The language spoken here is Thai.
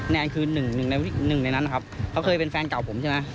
แนนคือหนึ่งในหนึ่งในนั้นนะครับเขาเคยเป็นแฟนเก่าผมใช่ไหม